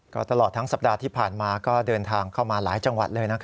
ก็ตลอดทั้งสัปดาห์ที่ผ่านมาก็เดินทางเข้ามาหลายจังหวัดเลย